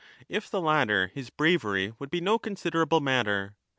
If the latter, his bravery would be no considerable matter.